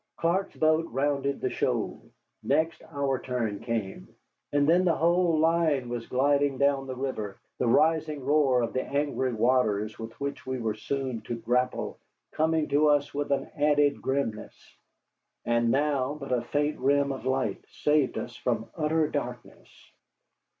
Clark's boat rounded the shoal: next our turn came, and then the whole line was gliding down the river, the rising roar of the angry waters with which we were soon to grapple coming to us with an added grimness. And now but a faint rim of light saved us from utter darkness.